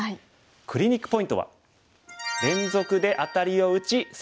クリニックポイントは。